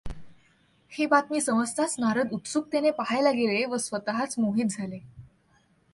ही बातमी समजताच नारद उत्सुकतेने पहायला गेले व स्वत च मोहित झाले.